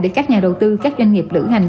để các nhà đầu tư các doanh nghiệp lửa hành